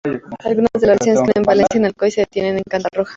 Algunas de las relaciones que unen Valencia con Alcoy se detienen en Catarroja.